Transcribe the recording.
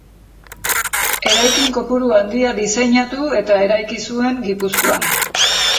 Eraikin kopuru handia diseinatu eta eraiki zuen Gipuzkoan.